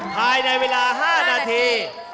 ภายในเวลา๕นาที